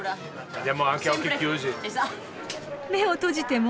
目を閉じても。